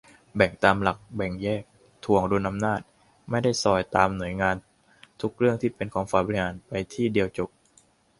แบ่งตามหลักแบ่งแยก-ถ่วงดุลอำนาจ ไม่ได้ซอยตามหน่วยงาน ทุกเรื่องที่เป็นของฝ่ายบริหาร ไป ที่เดียวจบ